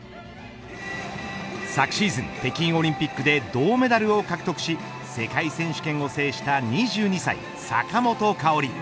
昨シーズン北京オリンピックで銅メダルを獲得し世界選手権を制した２２歳坂本花織。